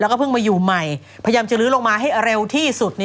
แล้วก็เพิ่งมาอยู่ใหม่พยายามจะลื้อลงมาให้เร็วที่สุด